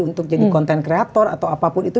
untuk jadi konten kreator atau apapun itu